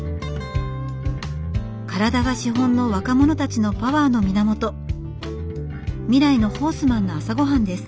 体が資本の若者たちのパワーの源未来のホースマンの朝ごはんです。